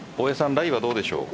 ライはどうでしょう。